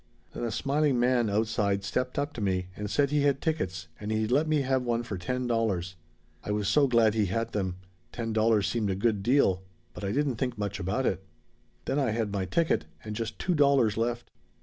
Then a smiling man outside stepped up to me and said he had tickets and he'd let me have one for ten dollars. I was so glad he had them! Ten dollars seemed a good deal but I didn't think much about it. "Then I had my ticket and just two dollars left.